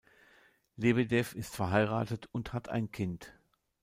Lebedew ist verheiratet und hat ein Kind.